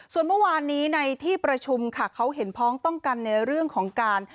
ส่วนเมื่อวานนี้ในที่ประชุมค่ะเขาเห็นพ้องต้องกันในเรื่องของการ